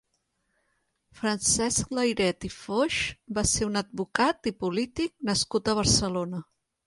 Francesc Layret i Foix va ser un advocat i polític nascut a Barcelona.